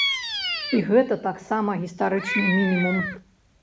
І гэта таксама гістарычны мінімум.